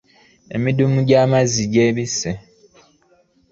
Emiddumu gy'amazzi gyabise.